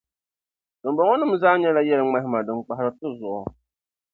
dimbɔŋɔnim’ zaa nyɛla yɛliŋmahima din kpahiri ti zuɣu.